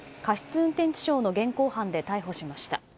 運転致傷の現行犯で逮捕しました。